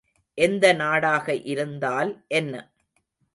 எந்த நாடாக இருந்தால் என்ன?